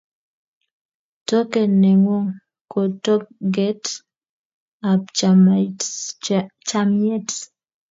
Toket ne ng'un ko toget ab chamiet